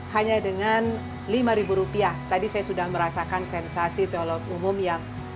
hanya dengan lima ribu rupiah tadi saya sudah merasakan sensasi toilet umum yang berharga